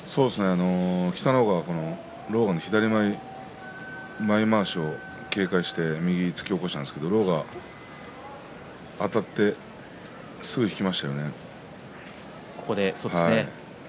北の若は、狼雅の左前まわしを警戒して右を突き起こしたんですけれども狼雅は、あたってすぐに引きましたよね。